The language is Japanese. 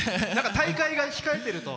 大会が控えていると。